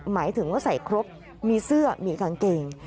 หมายถึงว่าใส่ครบมีเสื้อมีกางเกง